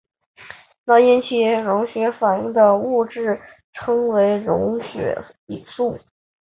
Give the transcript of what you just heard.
能引起溶血反应的物质称为溶血素。